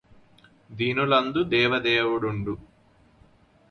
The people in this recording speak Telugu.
దీనులందు దేవదేవుడుండు